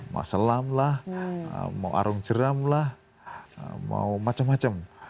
mau selam lah mau arung jeram lah mau macam macam